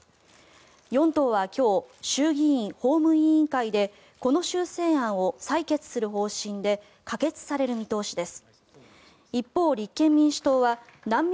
４党は今日、衆議院法務委員会でこの修正案を採決する方針で可決される見通しです。